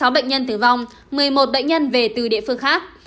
hai mươi sáu bệnh nhân tử vong một mươi một bệnh nhân về từ địa phương khác